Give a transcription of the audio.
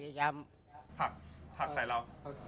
พยายามผักใส่เรา